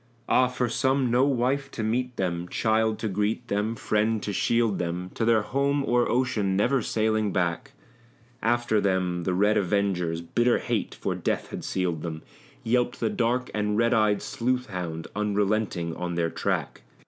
Ah! for some no wife to meet them, child to greet them, friend to shield them! To their home o'er ocean never sailing back; After them the red avengers, bitter hate for death had sealed them, Yelped the dark and red eyed sleuth hound unrelenting on their track.